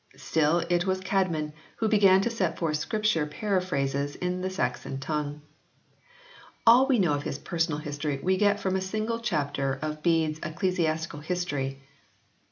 Still it was Csedmon who began to set forth Scripture paraphrases in the Saxon tongue. All I] ANGLO SAXON VERSIONS 5 we know of his personal history we get from a single chapter of Bede s Ecclesiastical History (iv.